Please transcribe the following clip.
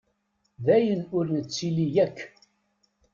D ayen ur nettili yakk.